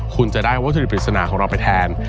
คุณจะได้วัตถุดิบปริศนาของเราไปแทน